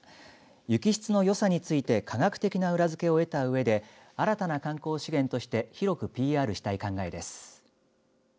雪質のよさについて科学的な裏付けを得たうえで新たな観光資源として広くＰＲしたい考えです。